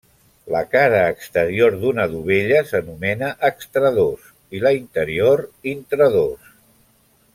La cara exterior d'una dovella s'anomena extradós i la interior, intradós.